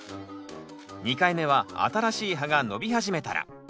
２回目は新しい葉が伸び始めたら。